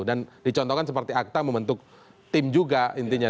dan dicontohkan seperti akta membentuk tim juga intinya